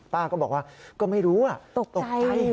ป้าก็บอกว่าก็ไม่รู้ตกใจ